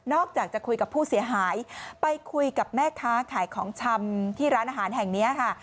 อกจากจะคุยกับผู้เสียหายไปคุยกับแม่ค้าขายของชำที่ร้านอาหารแห่งนี้ค่ะ